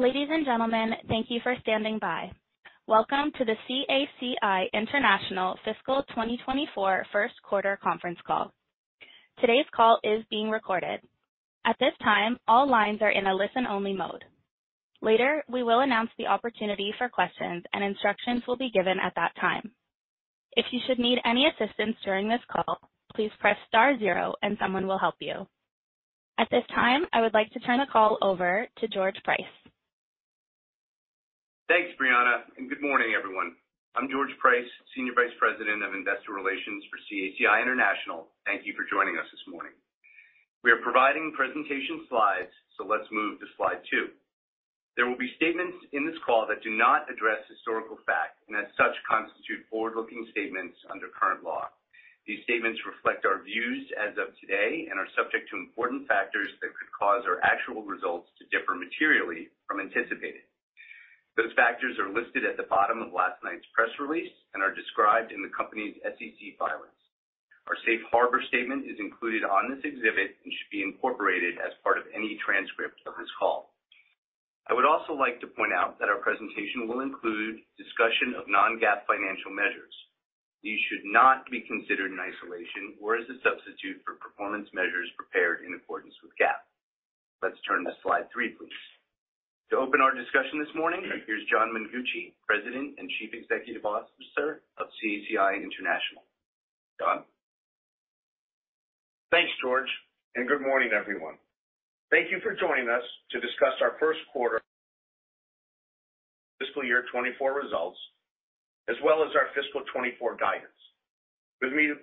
Ladies and gentlemen, thank you for standing by. Welcome to the CACI International Fiscal 2024 First Quarter Conference Call. Today's call is being recorded. At this time, all lines are in a listen-only mode. Later, we will announce the opportunity for questions, and instructions will be given at that time. If you should need any assistance during this call, please press star zero, and someone will help you. At this time, I would like to turn the call over to George Price. Thanks, Brianna, and good morning, everyone. I'm George Price, Senior Vice President of Investor Relations for CACI International. Thank you for joining us this morning. We are providing presentation slides, so let's move to slide two. There will be statements in this call that do not address historical fact, and as such, constitute forward-looking statements under current law. These statements reflect our views as of today and are subject to important factors that could cause our actual results to differ materially from anticipated. Those factors are listed at the bottom of last night's press release and are described in the company's SEC filings. Our safe harbor statement is included on this exhibit and should be incorporated as part of any transcript of this call. I would also like to point out that our presentation will include discussion of non-GAAP financial measures. These should not be considered in isolation or as a substitute for performance measures prepared in accordance with GAAP. Let's turn to slide three, please. To open our discussion this morning, here's John Mengucci, President and Chief Executive Officer of CACI International. John? Thanks, George, and good morning, everyone. Thank you for joining us to discuss our first quarter fiscal year 2024 results, as well as our fiscal 2024 guidance. With me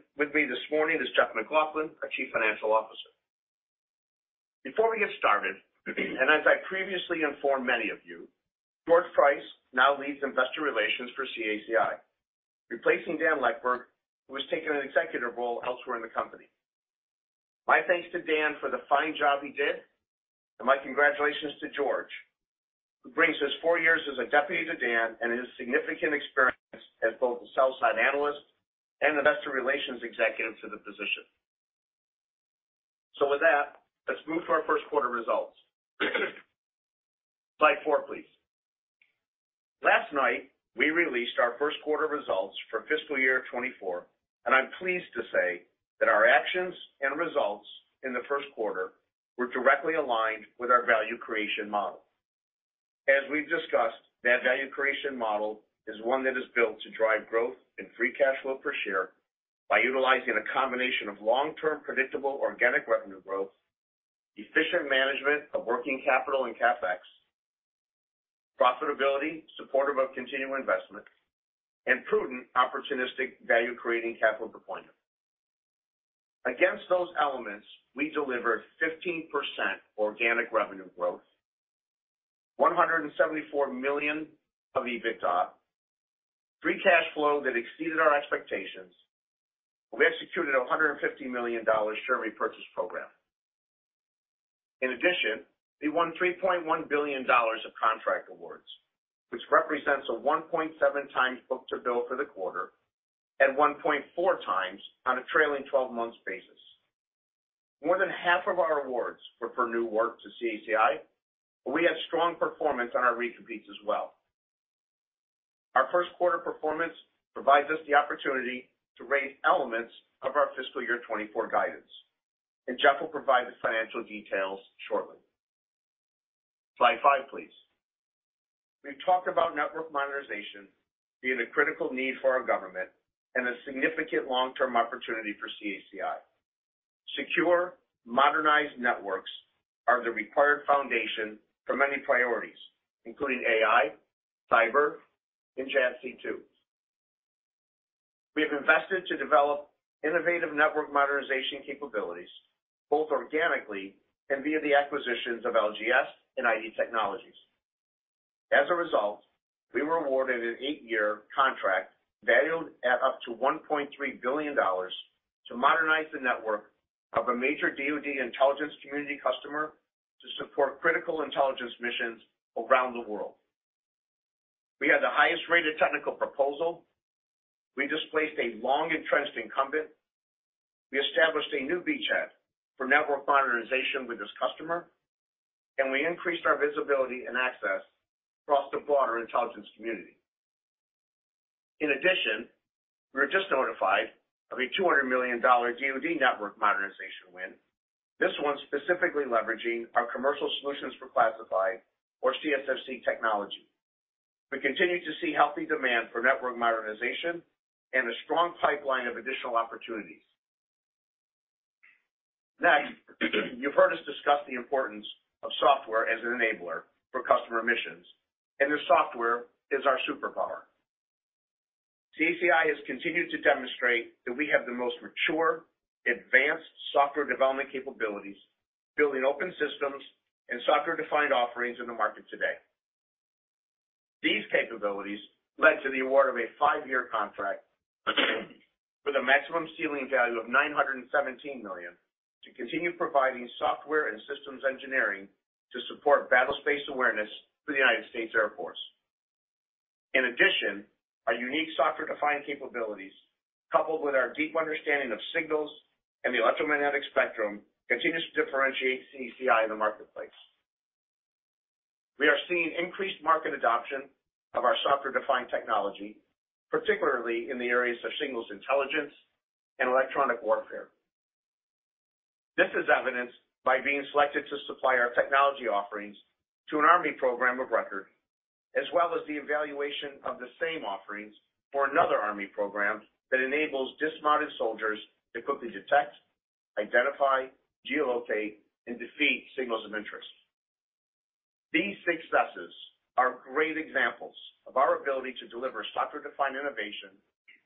this morning is Jeff MacLauchlan, our Chief Financial Officer. Before we get started, and as I previously informed many of you, George Price now leads Investor Relations for CACI, replacing Dan Leckburg, who has taken an executive role elsewhere in the company. My thanks to Dan for the fine job he did, and my congratulations to George, who brings us four years as a deputy to Dan and his significant experience as both a sell-side analyst and investor relations executive to the position. So with that, let's move to our first quarter results. Slide four, please. Last night, we released our first quarter results for fiscal year 2024, and I'm pleased to say that our actions and results in the first quarter were directly aligned with our value creation model. As we've discussed, that value creation model is one that is built to drive growth and free cash flow per share by utilizing a combination of long-term, predictable organic revenue growth, efficient management of working capital and CapEx, profitability, supportive of continual investment, and prudent, opportunistic, value-creating capital deployment. Against those elements, we delivered 15% organic revenue growth, $174 million of EBITDA, free cash flow that exceeded our expectations. We executed a $150 million share repurchase program. In addition, we won $3.1 billion of contract awards, which represents a 1.7x book-to-bill for the quarter at 1.4x on a trailing 12-month basis. More than half of our awards were for new work to CACI, but we had strong performance on our recompetes as well. Our first quarter performance provides us the opportunity to raise elements of our fiscal year 2024 guidance, and Jeff will provide the financial details shortly. Slide five, please. We've talked about network modernization being a critical need for our government and a significant long-term opportunity for CACI. Secure, modernized networks are the required foundation for many priorities, including AI, cyber, and JADC2. We have invested to develop innovative network modernization capabilities, both organically and via the acquisitions of LGS and ID Technologies. As a result, we were awarded an eight year contract valued at up to $1.3 billion to modernize the network of a major DoD intelligence community customer to support critical intelligence missions around the world. We had the highest-rated technical proposal. We displaced a long-entrenched incumbent. We established a new VCHAT for network modernization with this customer, and we increased our visibility and access across the broader intelligence community. In addition, we were just notified of a $200 million DoD network modernization win, this one specifically leveraging our commercial solutions for classified, or CSfC technology. We continue to see healthy demand for network modernization and a strong pipeline of additional opportunities. Next, you've heard us discuss the importance of software as an enabler for customer missions, and their software is our superpower. CACI has continued to demonstrate that we have the most mature, advanced software development capabilities, building open systems and software-defined offerings in the market today. These capabilities led to the award of a five year contract with a maximum ceiling value of $917 million to continue providing software and systems engineering to support battlespace awareness for the United States Air Force. In addition, our unique software-defined capabilities, coupled with our deep understanding of signals and the electromagnetic spectrum, continues to differentiate CACI in the marketplace. We are seeing increased market adoption of our software-defined technology, particularly in the areas of signals intelligence and electronic warfare. This is evidenced by being selected to supply our technology offerings to an Army program of record, as well as the evaluation of the same offerings for another Army program that enables dismounted soldiers to quickly detect, identify, geolocate, and defeat signals of interest. These successes are great examples of our ability to deliver software-defined innovation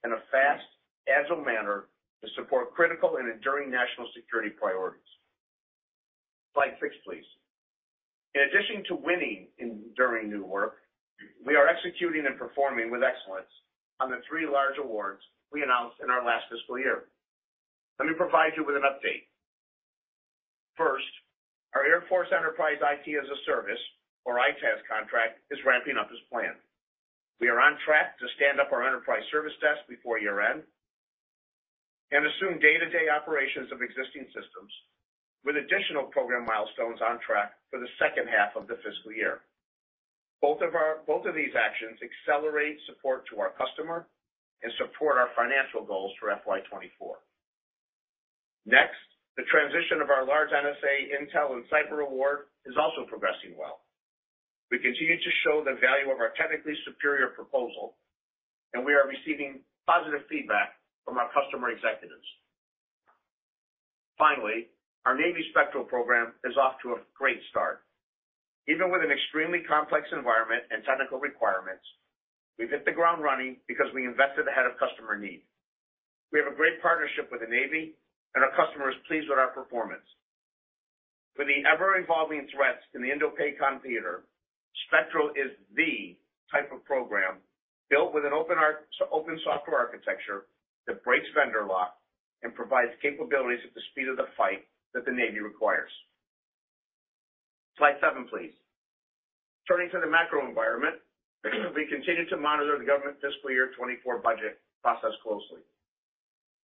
in a fast, agile manner to support critical and enduring national security priorities. Slide six, please. In addition to winning new work, we are executing and performing with excellence on the three large awards we announced in our last fiscal year. Let me provide you with an update. First, our Air Force Enterprise IT as a Service, or EITaaS contract, is ramping up as planned. We are on track to stand up our enterprise service desk before year-end and assume day-to-day operations of existing systems with additional program milestones on track for the second half of the fiscal year. Both of these actions accelerate support to our customer and support our financial goals for FY 2024. Next, the transition of our large NSA intel and cyber award is also progressing well. We continue to show the value of our technically superior proposal, and we are receiving positive feedback from our customer executives. Finally, our Navy Spectral program is off to a great start. Even with an extremely complex environment and technical requirements, we've hit the ground running because we invested ahead of customer need. We have a great partnership with the Navy, and our customer is pleased with our performance. With the ever-evolving threats in the INDOPACOM theater, Spectral is the type of program built with an open arch, open software architecture that breaks vendor lock and provides capabilities at the speed of the fight that the Navy requires. Slide seven, please. Turning to the macro environment, we continue to monitor the government fiscal year 2024 budget process closely.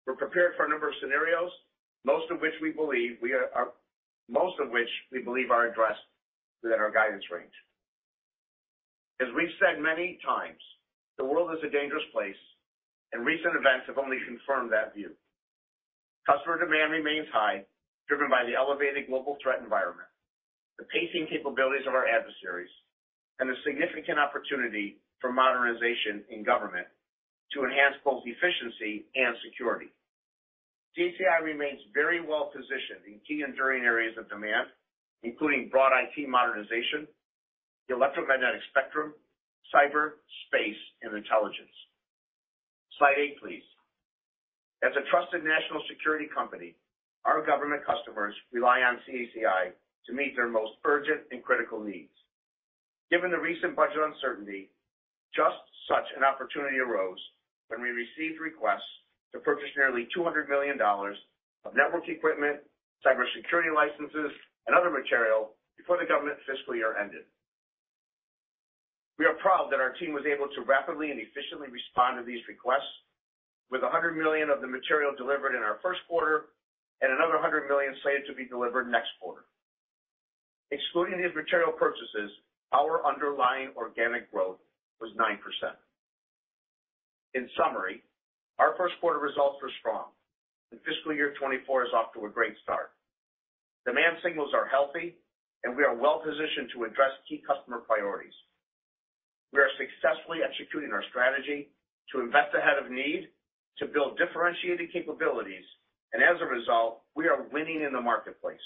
We're prepared for a number of scenarios, most of which we believe are addressed within our guidance range. As we've said many times, the world is a dangerous place, and recent events have only confirmed that view. Customer demand remains high, driven by the elevated global threat environment, the pacing capabilities of our adversaries, and a significant opportunity for modernization in government to enhance both efficiency and security. CACI remains very well-positioned in key enduring areas of demand, including broad IT modernization, the electromagnetic spectrum, cyber, space, and intelligence. Slide eight, please. As a trusted national security company, our government customers rely on CACI to meet their most urgent and critical needs. Given the recent budget uncertainty, just such an opportunity arose when we received requests to purchase nearly $200 million of network equipment, cybersecurity licenses, and other material before the government fiscal year ended. We are proud that our team was able to rapidly and efficiently respond to these requests with $100 million of the material delivered in our first quarter and another $100 million slated to be delivered next quarter. Excluding these material purchases, our underlying organic growth was 9%. In summary, our first quarter results were strong, and fiscal year 2024 is off to a great start. Demand signals are healthy, and we are well-positioned to address key customer priorities. We are successfully executing our strategy to invest ahead of need, to build differentiated capabilities, and as a result, we are winning in the marketplace,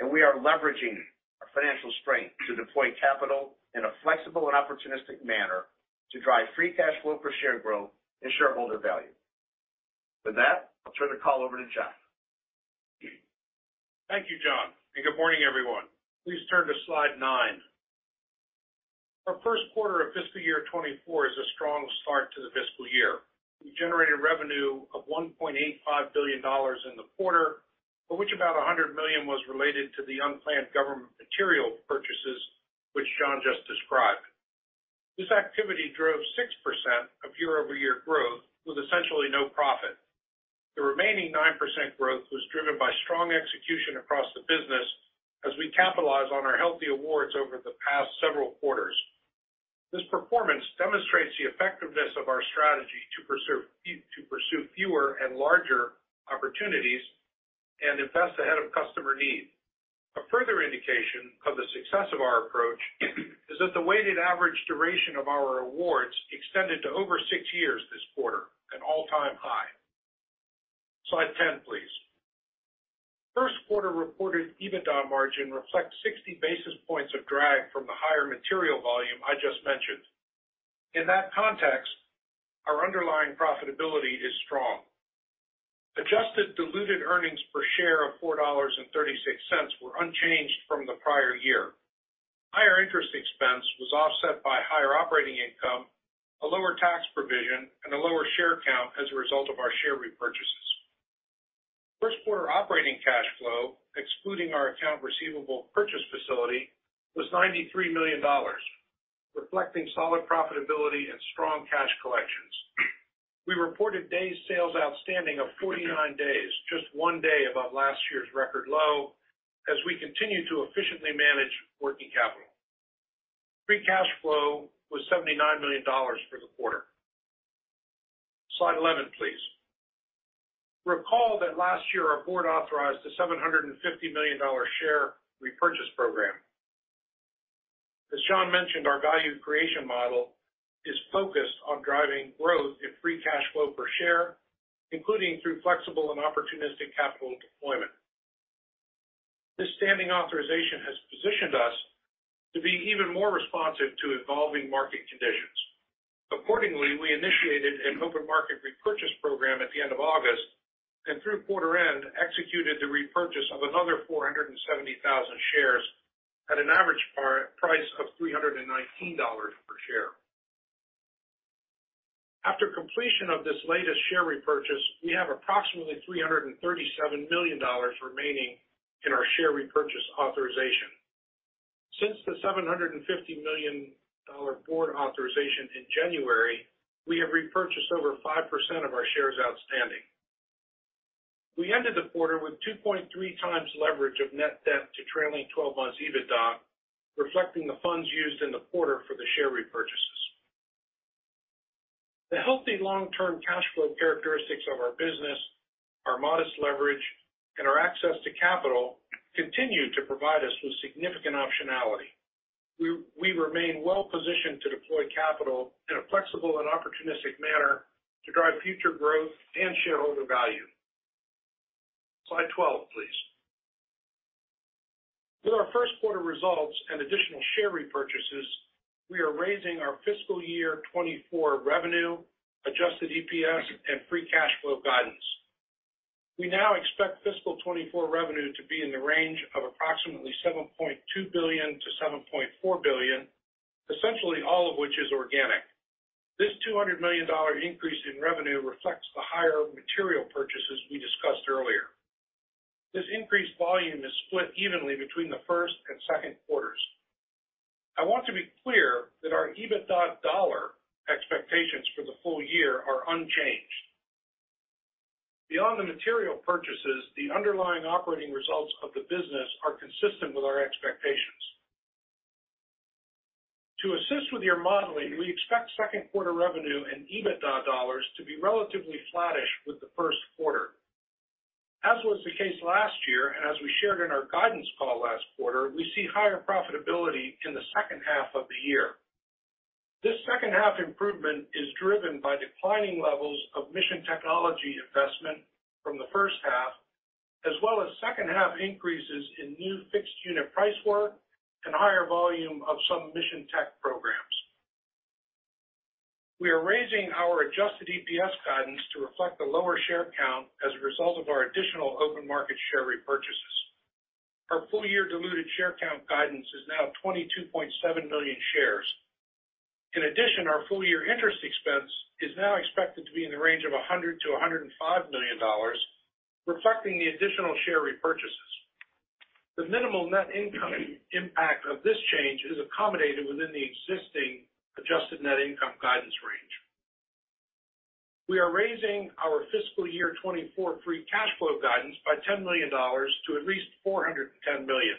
and we are leveraging our financial strength to deploy capital in a flexible and opportunistic manner to drive free cash flow per share growth and shareholder value. With that, I'll turn the call over to Jeff. Thank you, John, and good morning, everyone. Please turn to slide nine. Our first quarter of fiscal year 2024 is a strong start to the fiscal year. We generated revenue of $1.85 billion in the quarter, for which about $100 million was related to the unplanned government material purchases, which John just described. This activity drove 6% year-over-year growth with essentially no profit. The remaining 9% growth was driven by strong execution across the business as we capitalize on our healthy awards over the past several quarters. This performance demonstrates the effectiveness of our strategy to preserve- to pursue fewer and larger opportunities and invest ahead of customer need. A further indication of the success of our approach is that the weighted average duration of our awards extended to over six years this quarter, an all-time high. Slide 10, please. First quarter reported EBITDA margin reflects 60 basis points of drag from the higher material volume I just mentioned. In that context, our underlying profitability is strong. Adjusted diluted earnings per share of $4.36 were unchanged from the prior year. Higher interest expense was offset by higher operating income, a lower tax provision, and a lower share count as a result of our share repurchases. First quarter operating cash flow, excluding our account receivable purchase facility, was $93 million, reflecting solid profitability and strong cash collections. We reported days sales outstanding of 49 days, just 1 day above last year's record low, as we continue to efficiently manage working capital. Free cash flow was $79 million for the quarter. Slide 11, please. Recall that last year, our board authorized a $750 million dollar share repurchase program. As John mentioned, our value creation model is focused on driving growth in free cash flow per share, including through flexible and opportunistic capital deployment. This standing authorization has positioned us to be even more responsive to evolving market conditions. Accordingly, we initiated an open market repurchase program at the end of August, and through quarter end, executed the repurchase of another 470,000 shares at an average par price of $319 per share. After completion of this latest share repurchase, we have approximately $337 million remaining in our share repurchase authorization. Since the $750 million board authorization in January, we have repurchased over 5% of our shares outstanding. We ended the quarter with 2.3x leverage of net debt to trailing twelve months EBITDA, reflecting the funds used in the quarter for the share repurchases. The healthy long-term cash flow characteristics of our business, our modest leverage, and our access to capital continue to provide us with significant optionality. We remain well positioned to deploy capital in a flexible and opportunistic manner to drive future growth and shareholder value. Slide 12, please. With our first quarter results and additional share repurchases, we are raising our fiscal 2024 revenue, adjusted EPS, and free cash flow guidance. We now expect fiscal 2024 revenue to be in the range of approximately $7.2 billion-$7.4 billion, essentially all of which is organic. This $200 million increase in revenue reflects the higher material purchases we discussed earlier. This increased volume is split evenly between the first and second quarters. I want to be clear that our EBITDA dollar expectations for the full year are unchanged. Beyond the material purchases, the underlying operating results of the business are consistent with our expectations. To assist with your modeling, we expect second quarter revenue and EBITDA dollars to be relatively flattish with the first quarter. As was the case last year, and as we shared in our guidance call last quarter, we see higher profitability in the second half of the year. This second half improvement is driven by declining levels of mission technology investment from the first half, as well as second half increases in new fixed unit price work and higher volume of some mission tech programs. We are raising our adjusted EPS guidance to reflect the lower share count as a result of our additional open market share repurchases. Our full-year diluted share count guidance is now 22.7 million shares. In addition, our full-year interest expense is now expected to be in the range of $100 million-$105 million, reflecting the additional share repurchases. The minimal net income impact of this change is accommodated within the existing adjusted net income guidance range. We are raising our fiscal year 2024 free cash flow guidance by $10 million to at least $410 million.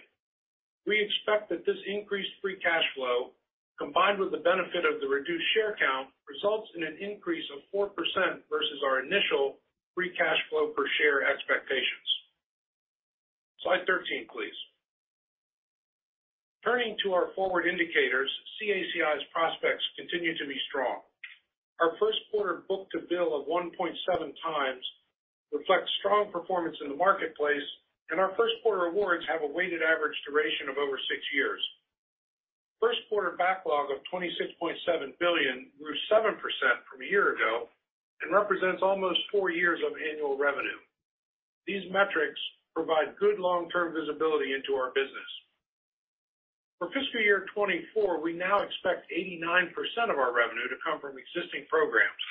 We expect that this increased free cash flow, combined with the benefit of the reduced share count, results in an increase of 4% versus our initial free cash flow per share expectations. Slide 13, please. Turning to our forward indicators, CACI's prospects continue to be strong. Our first quarter book-to-bill of 1.7 times reflects strong performance in the marketplace, and our first quarter awards have a weighted average duration of over six years. First quarter backlog of $26.7 billion grew 7% from a year ago and represents almost four years of annual revenue. These metrics provide good long-term visibility into our business. For fiscal year 2024, we now expect 89% of our revenue to come from existing programs,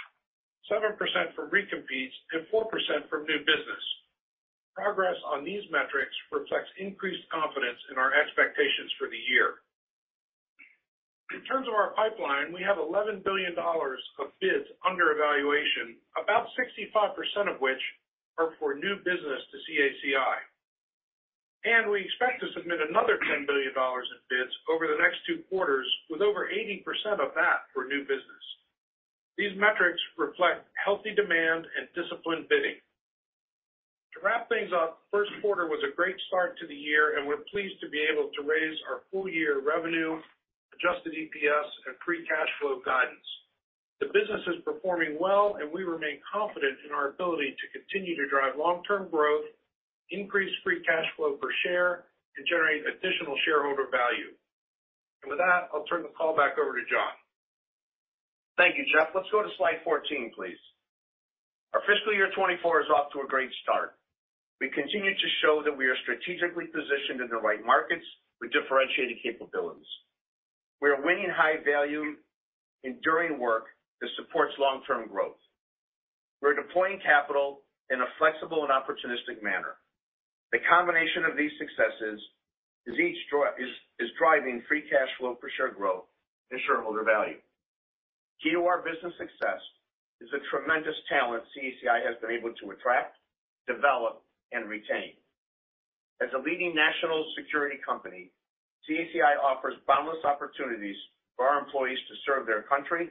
7% from recompetes, and 4% from new business. Progress on these metrics reflects increased confidence in our expectations for the year. In terms of our pipeline, we have $11 billion of bids under evaluation, about 65% of which are for new business to CACI. We expect to submit another $10 billion in bids over the next two quarters, with over 80% of that for new business. These metrics reflect healthy demand and disciplined bidding. To wrap things up, the first quarter was a great start to the year, and we're pleased to be able to raise our full-year revenue, adjusted EPS, and free cash flow guidance. The business is performing well, and we remain confident in our ability to continue to drive long-term growth, increase free cash flow per share, and generate additional shareholder value. With that, I'll turn the call back over to John. Thank you, Jeff. Let's go to slide 14, please. Our fiscal year 2024 is off to a great start. We continue to show that we are strategically positioned in the right markets with differentiated capabilities. We are winning high value, enduring work that supports long-term growth. We're deploying capital in a flexible and opportunistic manner. The combination of these successes is driving free cash flow per share growth and shareholder value. Key to our business success is the tremendous talent CACI has been able to attract, develop, and retain. As a leading national security company, CACI offers boundless opportunities for our employees to serve their country,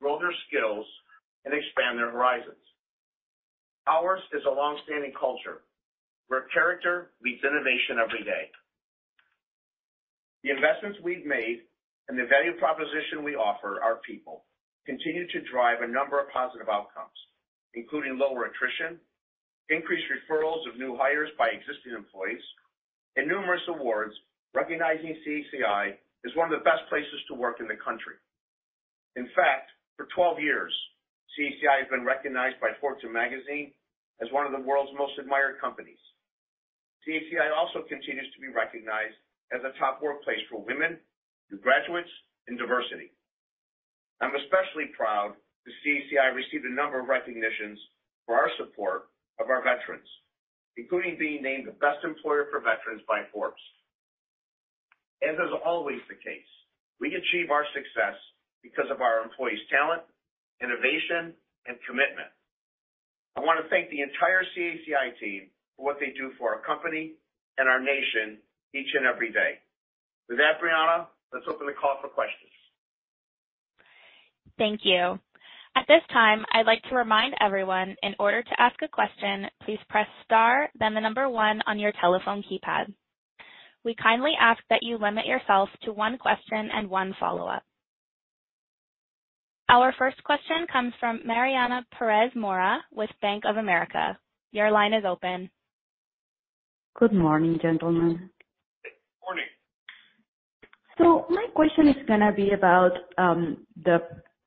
grow their skills, and expand their horizons. Ours is a long-standing culture where character leads innovation every day. The investments we've made and the value proposition we offer our people, continue to drive a number of positive outcomes, including lower attrition, increased referrals of new hires by existing employees, and numerous awards, recognizing CACI as one of the best places to work in the country. In fact, for 12 years, CACI has been recognized by Fortune Magazine as one of the world's most admired companies. CACI also continues to be recognized as a top workplace for women, new graduates, and diversity. I'm especially proud that CACI received a number of recognitions for our support of our veterans, including being named the Best Employer for Veterans by Forbes. As is always the case, we achieve our success because of our employees' talent, innovation, and commitment. I wanna thank the entire CACI team for what they do for our company and our nation, each and every day. With that, Brianna, let's open the call for questions. Thank you. At this time, I'd like to remind everyone, in order to ask a question, please press Star, then the number one on your telephone keypad. We kindly ask that you limit yourself to one question and one follow-up. Our first question comes from Mariana Perez Mora with Bank of America. Your line is open. Good morning, gentlemen. Good morning. My question is gonna be about the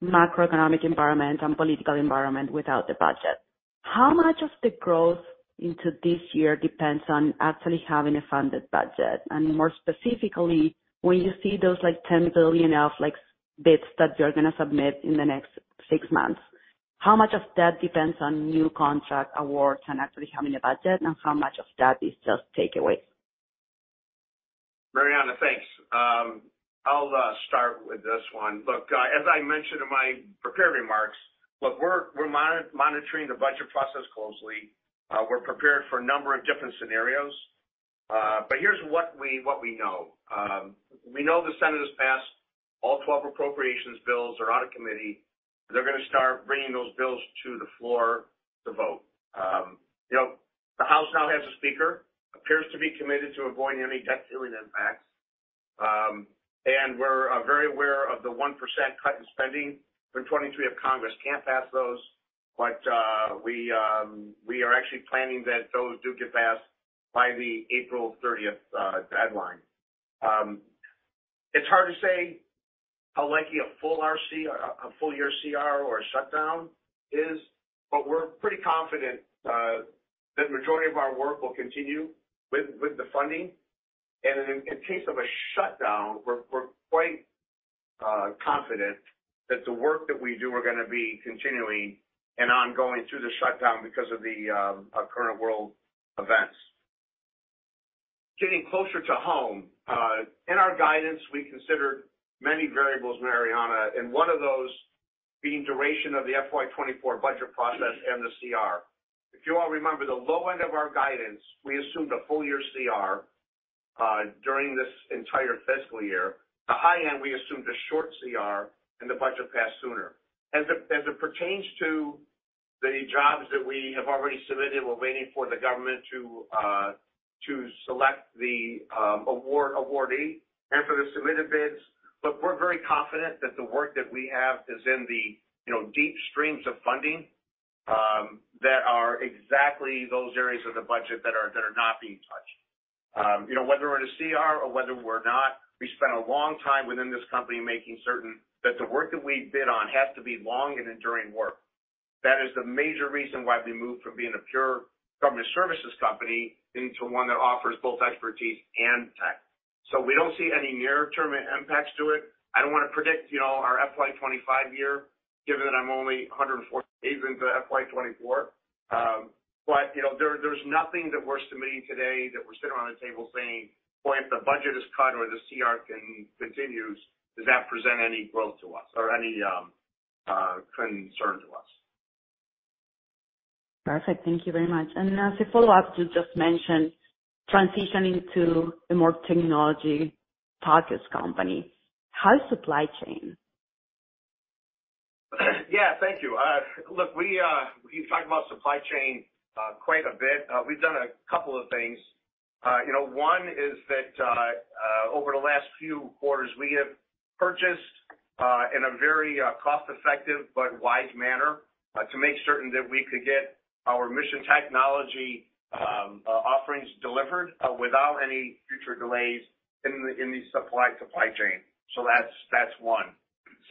macroeconomic environment and political environment without the budget. How much of the growth into this year depends on actually having a funded budget? And more specifically, when you see those, like, $10 billion of, like, bids that you're gonna submit in the next six months, how much of that depends on new contract awards and actually having a budget, and how much of that is just takeaway? Mariana, thanks. I'll start with this one. Look, as I mentioned in my prepared remarks, look, we're monitoring the budget process closely. We're prepared for a number of different scenarios, but here's what we know. We know the Senate has passed. All 12 appropriations bills are out of committee. They're gonna start bringing those bills to the floor to vote. You know, the House now has a speaker, appears to be committed to avoiding any debt ceiling impacts. And we're very aware of the 1% cut in spending for 2023 if Congress can't pass those, but we are actually planning that those do get passed by the April 30th deadline. It's hard to say how likely a full RC or a full-year CR or a shutdown is, but we're pretty confident that the majority of our work will continue with the funding. And in case of a shutdown, we're quite confident that the work that we do are gonna be continuing and ongoing through the shutdown because of the current world events. Getting closer to home, in our guidance, we considered many variables, Mariana, and one of those being duration of the FY 2024 budget process and the CR. If you all remember, the low end of our guidance, we assumed a full year CR during this entire fiscal year. The high end, we assumed a short CR, and the budget passed sooner. As it pertains to the jobs that we have already submitted, we're waiting for the government to select the awardee and for the submitted bids. Look, we're very confident that the work that we have is in the, you know, deep streams of funding, that are exactly those areas of the budget that are not being touched. You know, whether we're in a CR or whether we're not, we spent a long time within this company making certain that the work that we bid on has to be long and enduring work. That is the major reason why we moved from being a pure government services company into one that offers both expertise and tech. So we don't see any near-term impacts to it. I don't wanna predict, you know, our FY 25 year, given that I'm only 114 days into FY 24. But, you know, there, there's nothing that we're submitting today that we're sitting around the table saying, "Boy, if the budget is cut or the CR continues, does that present any growth to us or any concern to us? Perfect. Thank you very much. As a follow-up, you just mentioned transitioning to a more technology-focused company. How is supply chain? Yeah, thank you. Look, we, we've talked about supply chain quite a bit. We've done a couple of things. You know, one is that, over the last few quarters, we have purchased, in a very cost-effective but wise manner, to make certain that we could get our mission technology offerings delivered, without any future delays in the supply chain. So that's one.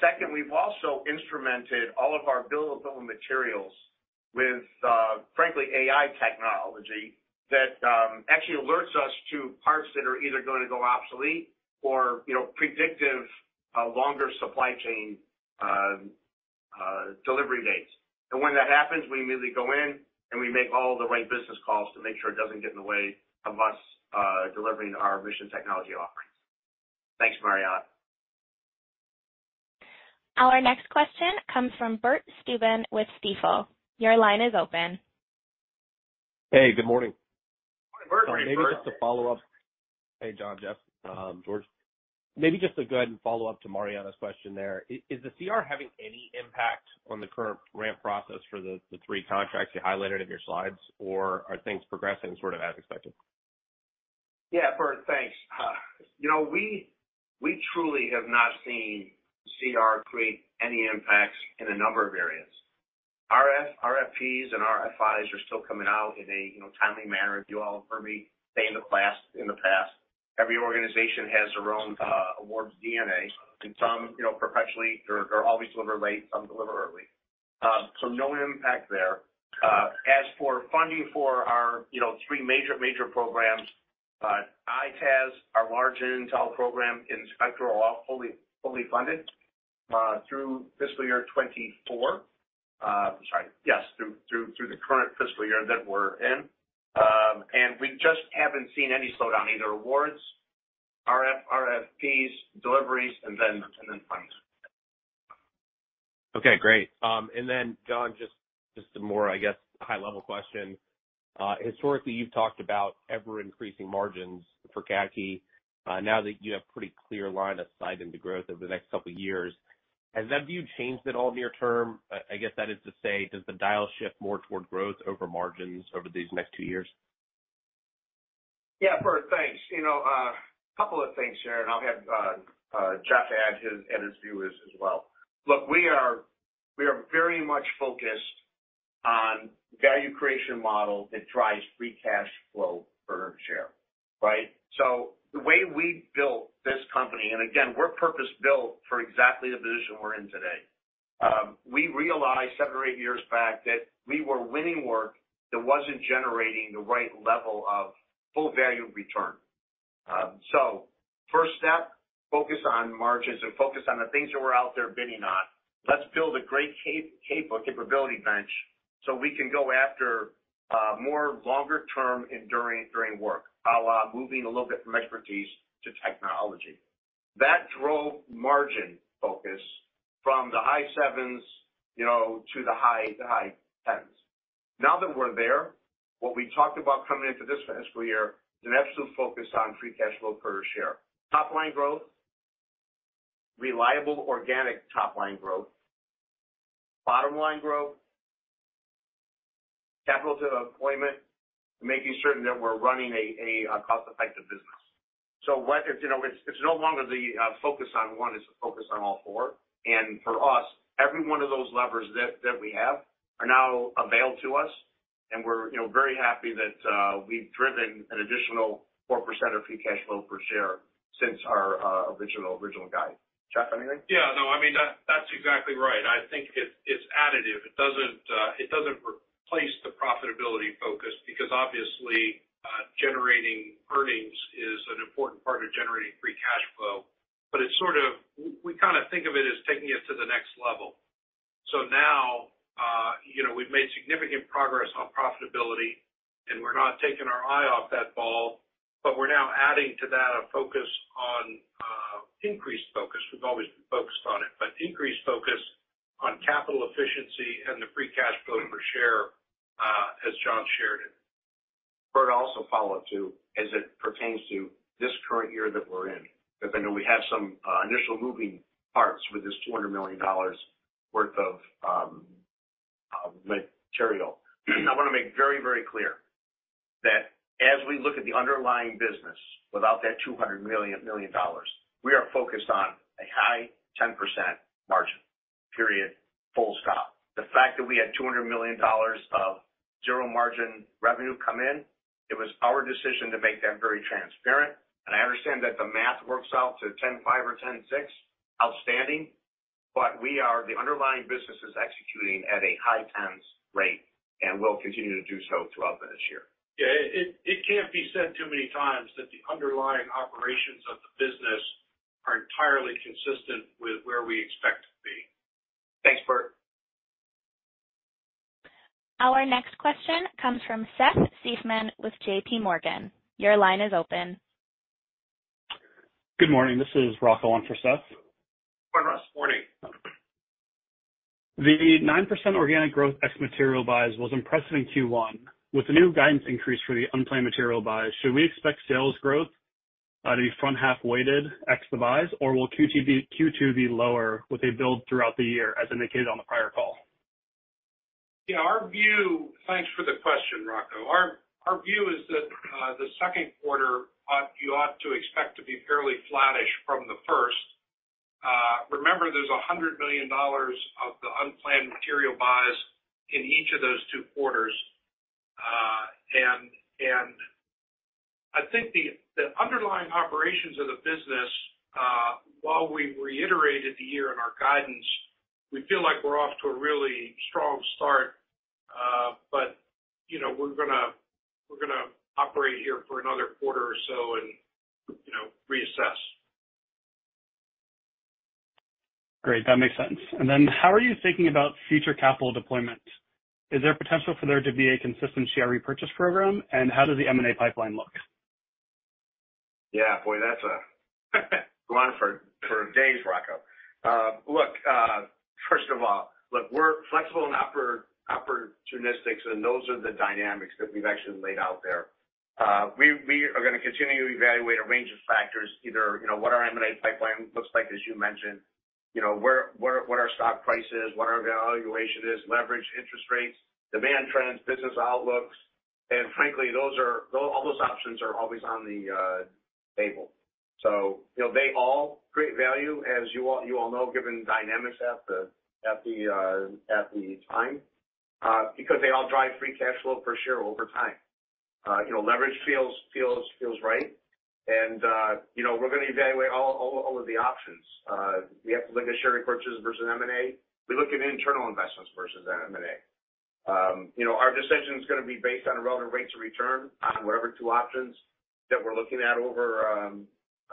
Second, we've also instrumented all of our bill of materials with, frankly, AI technology that actually alerts us to parts that are either gonna go obsolete or, you know, predictive longer supply chain delivery dates. When that happens, we immediately go in, and we make all the right business calls to make sure it doesn't get in the way of us, delivering our mission technology offerings. Thanks, Mariana. Our next question comes from Bert Subin with Stifel. Your line is open. Hey, good morning. Good morning, Bert. So maybe just to follow up. Hey, John, Jeff, George. Maybe just to go ahead and follow up to Mariana's question there. Is the CR having any impact on the current ramp process for the three contracts you highlighted in your slides, or are things progressing sort of as expected? Yeah, Bert, thanks. You know, we truly have not seen CR create any impacts in a number of areas. RFPs and RFIs are still coming out in a timely manner. If you all heard me say in the past, every organization has their own awards DNA, and some perpetually, they're always deliver late, some deliver early. So no impact there. As for funding for our three major programs, EITaaS, our large intel program in Spectral, are all fully funded through fiscal year 2024. Through the current fiscal year that we're in. And we just haven't seen any slowdown, either awards, RFPs, deliveries, and then funds. Okay, great. And then, John, just, just a more, I guess, high-level question. Historically, you've talked about ever-increasing margins for CACI. Now that you have pretty clear line of sight into growth over the next couple of years, has that view changed at all near term? I guess that is to say, does the dial shift more toward growth over margins over these next two years? Yeah, Bert, thanks. You know, couple of things here, and I'll have Jeff add his views as well. Look, we are very much focused on value creation model that drives free cash flow per earned share, right? So the way we built this company, and again, we're purpose-built for exactly the position we're in today. We realized seven or eight years back that we were winning work that wasn't generating the right level of full value return. So first step, focus on margins and focus on the things that we're out there bidding on. Let's build a great capability bench so we can go after more longer-term enduring work, moving a little bit from expertise to technology. That drove margin focus from the high sevens, you know, to the high tens. Now that we're there, what we talked about coming into this fiscal year, an absolute focus on free cash flow per share. Top line growth, reliable organic top line growth, bottom line growth, capital allocation, making sure that we're running a cost-effective business. So what it is, you know, it's no longer the focus on one, it's a focus on all four. And for us, every one of those levers that we have are now available to us, and we're, you know, very happy that we've driven an additional 4% of free cash flow per share since our original guide. Jeff, anything? Yeah, no, I mean, that's exactly right. I think it's additive. It doesn't replace the profitability focus, because obviously generating earnings is an important part of generating free cash flow. But it's sort of, we kind of think of it as taking it to the next level. So now, you know, we've made significant progress on profitability, and we're not taking our eye off that ball, but we're now adding to that a focus on increased focus. We've always been focused on it, but increased focus on capital efficiency and the free cash flow per share, as John shared it. Bert, also follow up, too, as it pertains to this current year that we're in, because I know we have some initial moving parts with this $200 million worth of material. I wanna make very, very clear that as we look at the underlying business, without that $200 million, we are focused on a high 10% margin, period, full stop. The fact that we had $200 million of zero-margin revenue come in, it was our decision to make that very transparent, and I understand that the math works out to 10.5 or 10.6, outstanding, but we are the underlying business is executing at a high 10s rate and will continue to do so throughout this year. Yeah, it can't be said too many times that the underlying operations of the business are entirely consistent with where we expect to be. Thanks, Bert. Our next question comes from Seth Seifman with JP Morgan. Your line is open. Good morning. This is Rocco on for Seth. Hi, Russ. Morning. The 9% organic growth ex material buys was impressive in Q1. With the new guidance increase for the unplanned material buys, should we expect sales growth to be front half weighted ex the buys, or will Q2 be lower with a build throughout the year, as indicated on the prior call? Yeah, our view, Thanks for the question, Rocco. Our, our view is that the second quarter you ought to expect to be fairly flattish from the first. Remember, there's $100 million of the unplanned material buys in each of those two quarters. I think the underlying operations of the business, while we reiterated the year in our guidance, we feel like we're off to a really strong start. But, you know, we're gonna operate here for another quarter or so and, you know, reassess. Great, that makes sense. And then how are you thinking about future capital deployment? Is there potential for there to be a consistent share repurchase program? And how does the M&A pipeline look? Yeah, boy, that's a run for days, Rocco. Look, first of all, look, we're flexible and opportunistic, and those are the dynamics that we've actually laid out there. We are gonna continue to evaluate a range of factors, you know, what our M&A pipeline looks like, as you mentioned, you know, where what our stock price is, what our valuation is, leverage, interest rates, demand trends, business outlooks, and frankly, all those options are always on the table. So, you know, they all create value, as you all know, given the dynamics at the time, because they all drive free cash flow per share over time. You know, leverage feels right. And, you know, we're gonna evaluate all of the options. We have to look at share repurchases versus M&A. We look at internal investments versus M&A. You know, our decision is gonna be based on relevant rates of return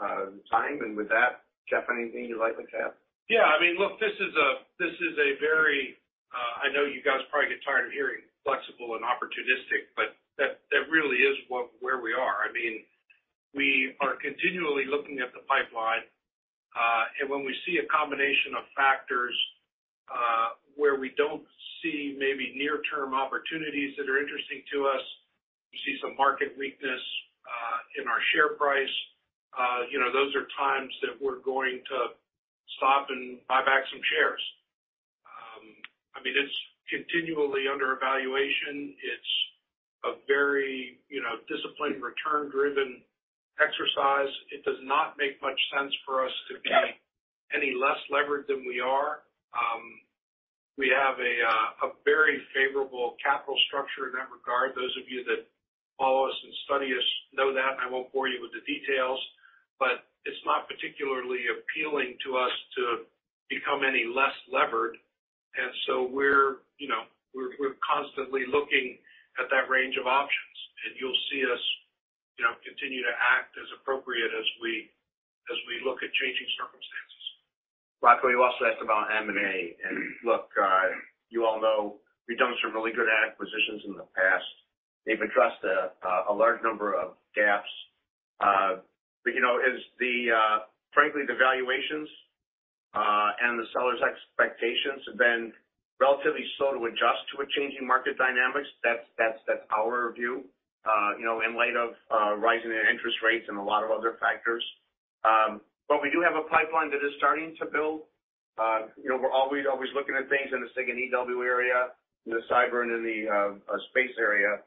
on whatever two options that we're looking at over time. With that, Jeff, anything you'd like to add? Yeah, I mean, look, this is a very. I know you guys probably get tired of hearing flexible and opportunistic, but that really is what, where we are. I mean, we are continually looking at the pipeline, and when we see a combination of factors, where we don't see maybe near-term opportunities that are interesting to us, we see some market weakness in our share price, you know, those are times that we're going to stop and buy back some shares. I mean, it's continually under evaluation. It's a very, you know, disciplined, return-driven exercise. It does not make much sense for us to be any less levered than we are. We have a very favorable capital structure in that regard. Those of you that follow us and study us know that, and I won't bore you with the details, but it's not particularly appealing to us to become any less levered, and so we're, you know, constantly looking at that range of options, and you'll see us, you know, continue to act as appropriate as we look at changing circumstances. Rocco, you also asked about M&A, and look, you all know, we've done some really good acquisitions in the past. They've addressed a large number of gaps. But, you know, as the frankly the valuations and the sellers' expectations have been relatively slow to adjust to a changing market dynamics. That's our view, you know, in light of rising interest rates and a lot of other factors. But we do have a pipeline that is starting to build. You know, we're always looking at things in the SIGINT and EW area, in the cyber and in the space area.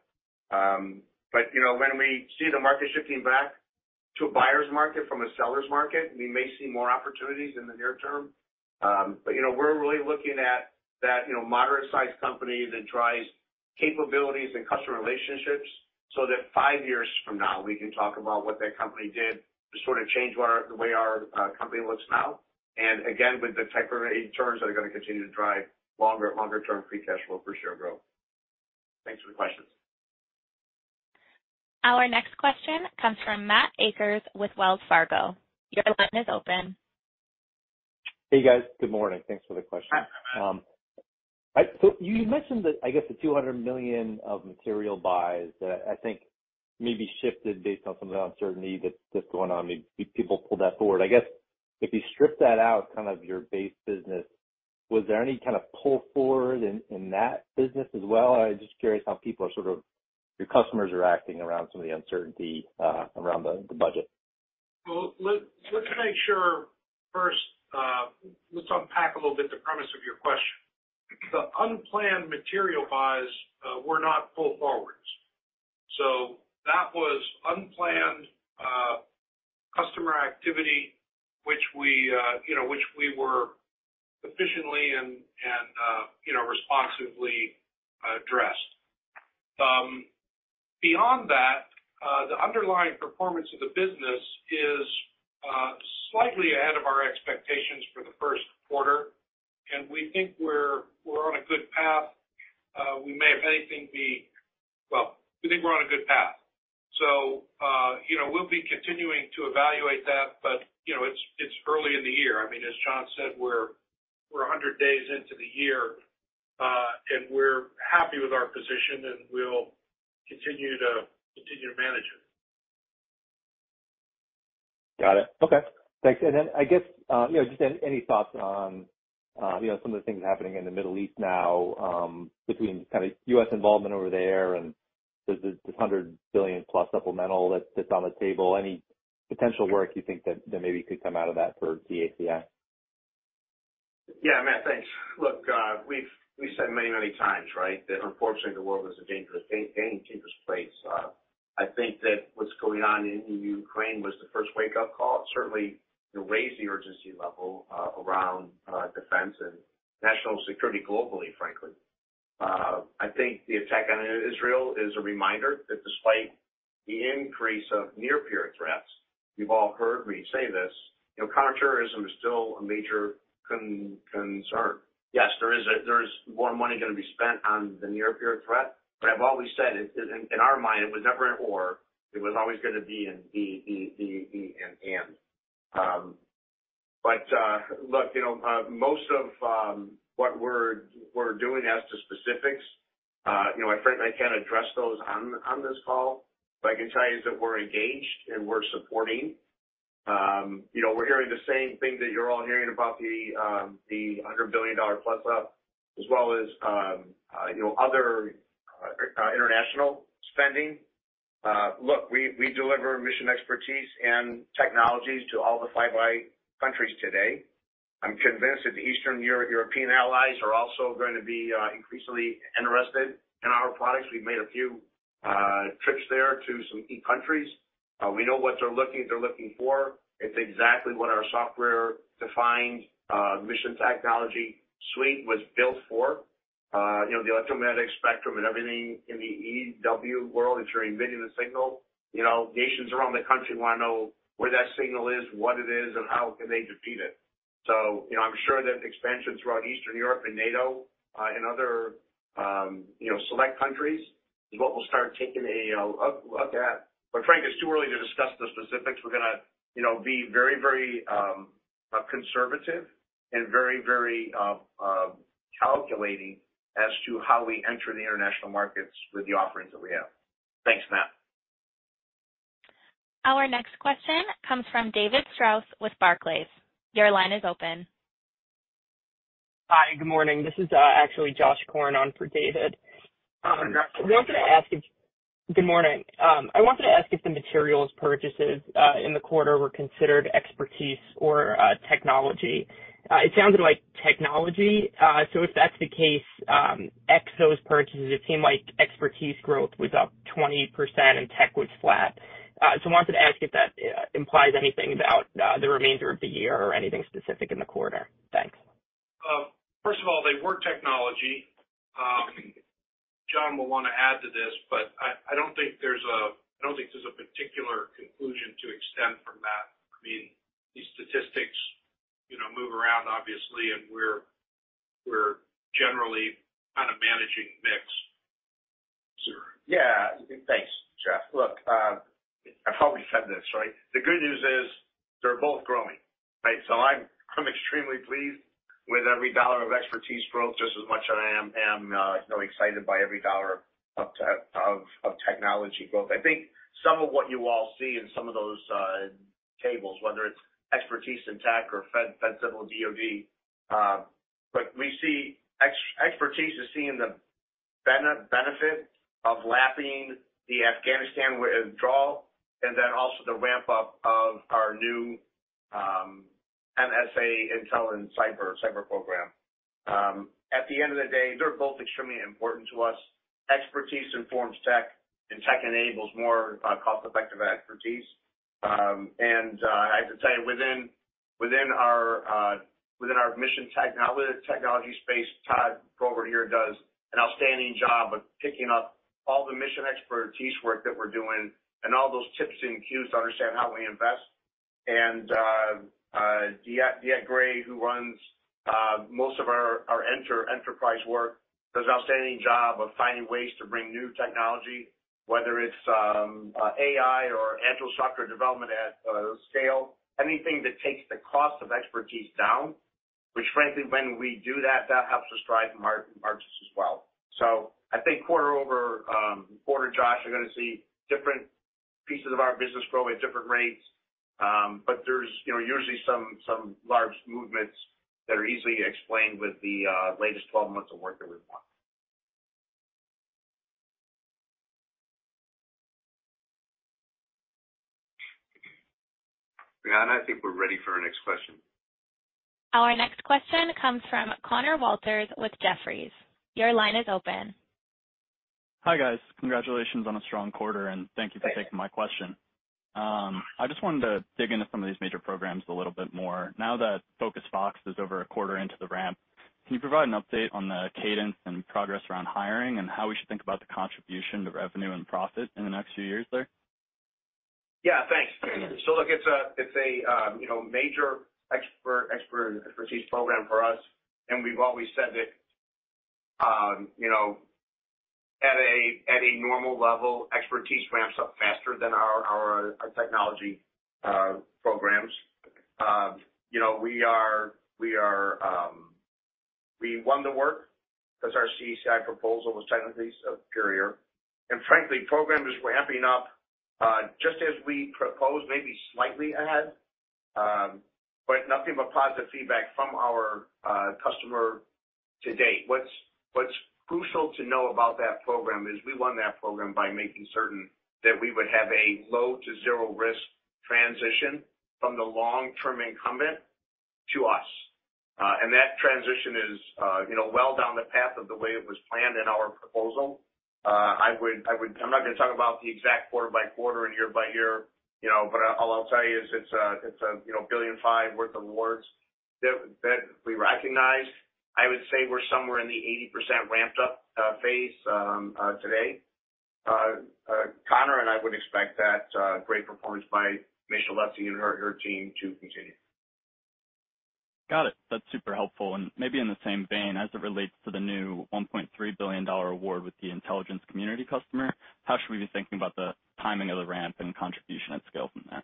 But, you know, when we see the market shifting back to a buyer's market from a seller's market, we may see more opportunities in the near term. But, you know, we're really looking at that, you know, moderate-sized company that drives capabilities and customer relationships, so that five years from now, we can talk about what that company did to sort of change our, the way our company looks now. And again, with the type of returns that are gonna continue to drive longer, longer-term free cash flow for share growth. Thanks for the questions. Our next question comes from Matt Akers with Wells Fargo. Your line is open. Hey, guys. Good morning. Thanks for the question. So you mentioned that, I guess, the $200 million of material buys that I think maybe shifted based on some of the uncertainty that's going on. Maybe people pulled that forward. I guess, if you strip that out, kind of your base business, was there any kind of pull forward in that business as well? I'm just curious how people are sort of, Your customers are acting around some of the uncertainty around the budget. Well, let's make sure first, let's unpack a little bit the premise of your question. The unplanned material buys were not pull forwards. So that was unplanned customer activity, which we, you know, which we were efficiently and, you know, responsibly addressed. Beyond that, the underlying performance of the business is slightly ahead of our expectations for the first quarter, and we think we're on a good path. We may, if anything, be, well, we think we're on a good path. So, you know, we'll be continuing to evaluate that, but, you know, it's early in the year. I mean, as John said, we're 100 days into the year, and we're happy with our position, and we'll continue to manage it. Got it. Okay. Thanks. And then I guess, you know, just any thoughts on, you know, some of the things happening in the Middle East now, between kind of U.S. involvement over there and the, the $100 billion+ supplemental that's on the table, any potential work you think that, that maybe could come out of that for CACI? Yeah, Matt, thanks. Look, we've said many, many times, right, that unfortunately, the world is a dangerous, dangerous place. I think that what's going on in Ukraine was the first wake-up call. It certainly raised the urgency level around defense and national security globally, frankly. I think the attack on Israel is a reminder that despite the increase of near-peer threats, you've all heard me say this, you know, counterterrorism is still a major concern. Yes, there's more money gonna be spent on the near-peer threat, but I've always said it, in our mind, it was never an or, it was always gonna be an and. But look, you know, most of what we're doing as to specifics, you know, I frankly can't address those on this call. But I can tell you is that we're engaged and we're supporting. You know, we're hearing the same thing that you're all hearing about the $100 billion plus-up, as well as, you know, other international spending. Look, we, we deliver mission expertise and technologies to all the Five Eyes countries today. I'm convinced that the Eastern European allies are also going to be increasingly interested in our products. We've made a few trips there to some key countries. We know what they're looking, they're looking for. It's exactly what our software-defined missions technology suite was built for. You know, the electromagnetic spectrum and everything in the EW world, ensuring vision and signal. You know, nations around the country wanna know where that signal is, what it is, and how can they defeat it. So, you know, I'm sure that expansion throughout Eastern Europe and NATO, and other, you know, select countries, is what we'll start taking a, you know, a look at. But frankly, it's too early to discuss the specifics. We're gonna, you know, be very, very, conservative and very, very, calculating as to how we enter the international markets with the offerings that we have. Thanks, Matt. Our next question comes from David Strauss with Barclays. Your line is open. Hi, good morning. This is actually Josh Korn on for David. Good morning. I wanted to ask if the materials purchases in the quarter were considered expertise or technology. It sounded like technology. So if that's the case, X, those purchases, it seemed like expertise growth was up 20% and tech was flat. So I wanted to ask if that implies anything about the remainder of the year or anything specific in the quarter. Thanks. First of all, they were technology. John will wanna add to this, but I don't think there's a particular conclusion to extend from that. I mean, these statistics, you know, move around obviously, and we're generally kind of managing mix. Yeah. Thanks, Josh. Look, I've probably said this, right? The good news is, they're both growing, right? So I'm extremely pleased with every dollar of expertise growth, just as much as I am, you know, excited by every dollar of tech of technology growth. I think some of what you all see in some of those tables, whether it's expertise in tech or fed civil DoD, but we see expertise is seeing the benefit of lapping the Afghanistan withdrawal, and then also the ramp-up of our new NSA intel and cyber program. At the end of the day, they're both extremely important to us. Expertise informs tech, and tech enables more cost-effective expertise. And I have to tell you, within our mission technology space, Todd Probert here does an outstanding job of picking up all the mission expertise work that we're doing and all those tips and cues to understand how we invest. DeEtte Gray, who runs most of our enterprise work, does an outstanding job of finding ways to bring new technology, whether it's AI or agile software development at scale, anything that takes the cost of expertise down, which frankly, when we do that, that helps us drive markets as well. So I think quarter-over-quarter, Josh, you're gonna see different pieces of our business grow at different rates. But there's, you know, usually some large movements that are easily explained with the latest 12 months of work that we've won. Mariana, I think we're ready for our next question. Our next question comes from Connor Walters with Jefferies. Your line is open. Hi, guys. Congratulations on a strong quarter, and thank you for taking my question. I just wanted to dig into some of these major programs a little bit more. Now that FocusedFox is over a quarter into the ramp, can you provide an update on the cadence and progress around hiring and how we should think about the contribution to revenue and profit in the next few years there? Yeah, thanks. So look, it's a, you know, major expertise program for us, and we've always said that, you know, at a normal level, expertise ramps up faster than our technology programs. You know, we are, we won the work as our CACI proposal was technically superior. And frankly, program is ramping up just as we proposed, maybe slightly ahead, but nothing but positive feedback from our customer to date. What's crucial to know about that program is we won that program by making certain that we would have a low to zero risk transition from the long-term incumbent to us. And that transition is, you know, well down the path of the way it was planned in our proposal. I would- I'm not gonna talk about the exact quarter by quarter and year by year, you know, but all I'll tell you is it's a $1.5 billion worth of awards that we recognize. I would say we're somewhere in the 80% ramped up phase today. Connor, and I would expect that great performance by Michelle Leasey and her team to continue. Got it. That's super helpful, and maybe in the same vein as it relates to the new $1.3 billion award with the intelligence community customer, how should we be thinking about the timing of the ramp and contribution at scale from that?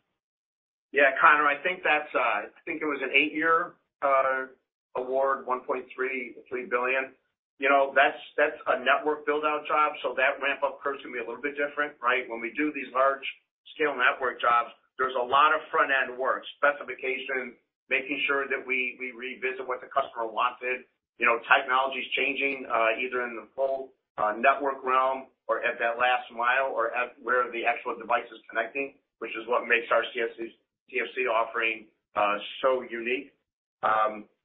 Yeah, Connor, I think that's, I think it was an eight year award, $1.33 billion. You know, that's, that's a network build-out job, so that ramp-up curve is gonna be a little bit different, right? When we do these large-scale network jobs, there's a lot of front-end work, specification, making sure that we, we revisit what the customer wanted. You know, technology's changing, either in the full, network realm or at that last mile, or at where the actual device is connecting, which is what makes our CSfC offering so unique.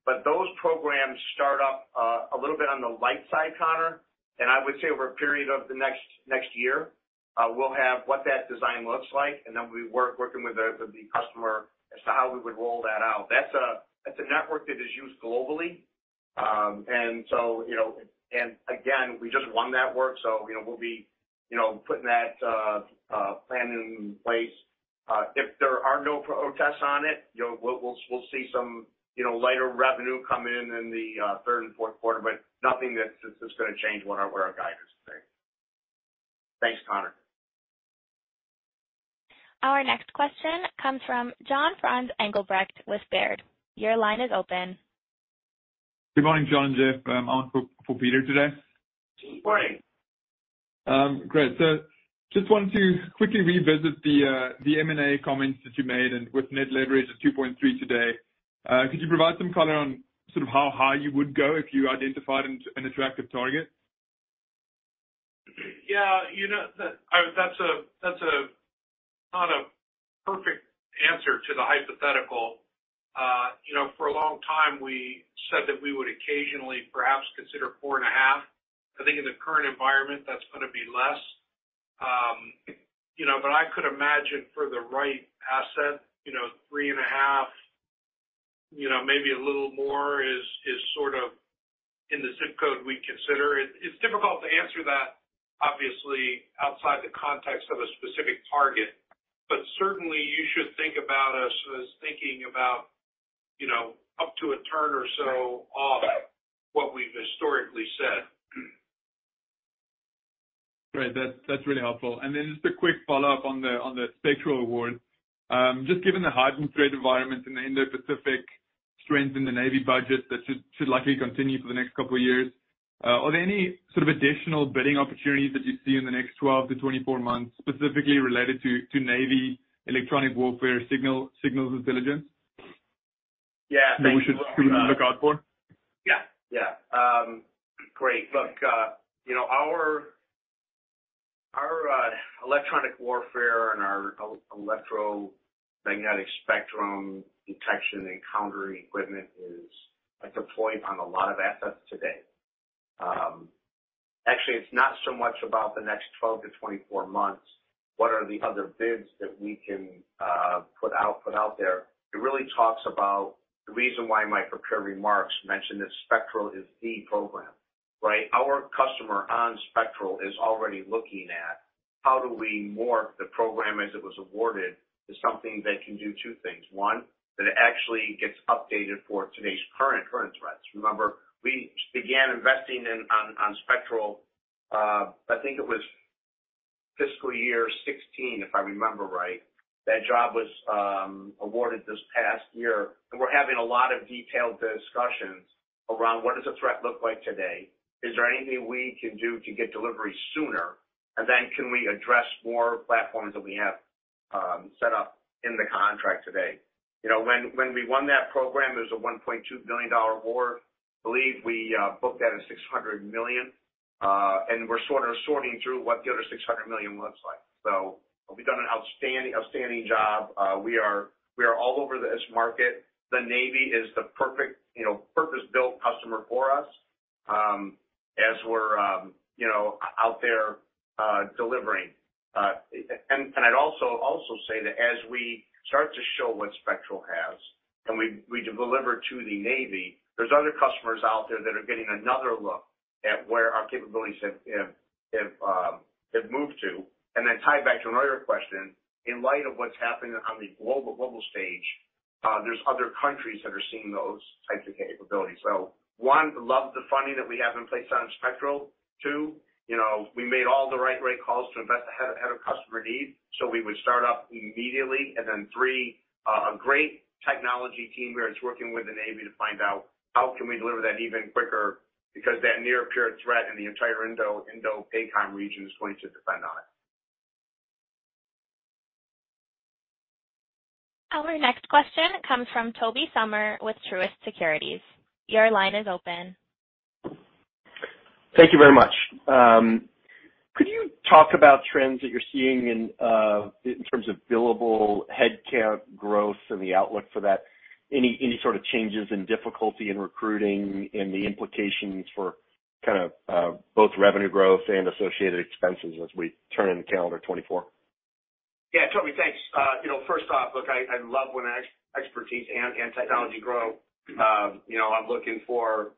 But those programs start up a little bit on the light side, Connor, and I would say over a period of the next year, we'll have what that design looks like, and then working with the customer as to how we would roll that out. That's a network that is used globally. And so, you know, and again, we just won that work, so, you know, we'll be putting that plan in place. If there are no protests on it, you know, we'll see some lighter revenue come in in the third and fourth quarter, but nothing that's gonna change what our guidance is today. Thanks, Connor. Our next question comes from Jan-Frans Engelbrecht with Baird. Your line is open. Good morning, John and Jeff. I'm for Peter today. Good morning. Great. So just wanted to quickly revisit the the M&A comments that you made, and with net leverage of 2.3 today. Could you provide some color on sort of how high you would go if you identified an attractive target? Yeah, you know, that's not a perfect answer to the hypothetical. You know, for a long time we said that we would occasionally perhaps consider 4.5. I think in the current environment, that's gonna be less. You know, but I could imagine for the right asset, you know, 3.5, you know, maybe a little more is sort of in the zip code we'd consider. It's difficult to answer that, obviously, outside the context of a specific target, but certainly, you should think about us as thinking about, you know, up to a third or so of what we've historically said. Great. That's, that's really helpful. And then just a quick follow-up on the, on the Spectral award. Just given the heightened threat environment in the Indo-Pacific, strength in the Navy budget, that should, should likely continue for the next couple of years, are there any sort of additional bidding opportunities that you see in the next 12-24 months, specifically related to, to Navy electronic warfare, signal, signals intelligence? Yeah. That we should look out for? Yeah, yeah. Great. Look, you know, our, our electronic warfare and our electromagnetic spectrum detection and countering equipment is deployed on a lot of assets today. Actually, it's not so much about the next 12-24 months, what are the other bids that we can put out there? It really talks about the reason why my prepared remarks mentioned that Spectral is the program, right? Our customer on Spectral is already looking at how do we morph the program as it was awarded to something that can do two things. One, that it actually gets updated for today's current threats. Remember, we began investing in on Spectral, I think it was fiscal year 2016, if I remember right. That job was awarded this past year, and we're having a lot of detailed discussions around what does a threat look like today? Is there anything we can do to get delivery sooner? And then can we address more platforms that we have set up in the contract today? You know, when we won that program, it was a $1.2 billion award. I believe we booked that at $600 million, and we're sort of sorting through what the other $600 million looks like. So we've done an outstanding, outstanding job. We are all over this market. The Navy is the perfect, you know, purpose-built customer for us, as we're, you know, out there delivering. And I'd also say that as we start to show what Spectral has, and we deliver to the Navy, there's other customers out there that are getting another look at where our capabilities have moved to. And then tied back to an earlier question, in light of what's happening on the global stage, there's other countries that are seeing those types of capabilities. So one, love the funding that we have in place on Spectral. Two, you know, we made all the right calls to invest ahead of customer need, so we would start up immediately. And then three, a great technology team here is working with the Navy to find out how can we deliver that even quicker, because that near peer threat in the entire INDOPACOM region is going to depend on it. Our next question comes from Tobey Sommer with Truist Securities. Your line is open. Thank you very much. Talk about trends that you're seeing in, in terms of billable headcount growth and the outlook for that. Any, any sort of changes in difficulty in recruiting and the implications for kind of, both revenue growth and associated expenses as we turn into calendar 2024? Yeah, Toby, thanks. You know, first off, look, I love when expertise and technology grow. You know, I'm looking for